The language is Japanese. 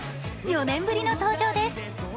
４年ぶりの登場です。